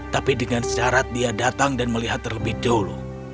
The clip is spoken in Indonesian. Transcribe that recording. tapi dengan syarat dia datang dan melihat terlebih dahulu